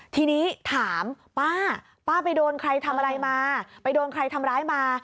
ทีนี้ถามป้าป้าไปโดนใครทำอะไรมาไปโดนใครทำร้ายมา